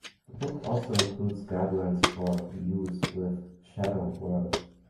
The book also includes guidelines for use with "Shadow World".